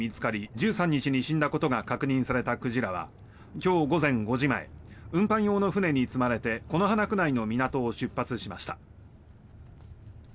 １３日に死んだことが確認された鯨は今日午前５時前運搬用の船に積まれて此花区内の港を出発しました。